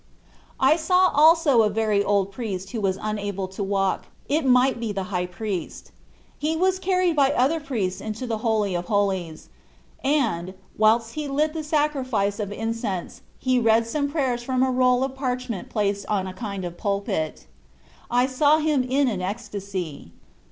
I saw also a very old priest who was unable to walk it might be the High Priest. He was carried by other priests into the Holy of Holies, and, whilst he lighted the jrifice of incense he read some prayers from a roll of parchment placed on a kind of pulpit. I saw him in an ecstasy.